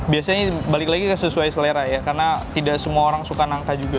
biasanya balik lagi sesuai selera ya karena tidak semua orang suka nangka juga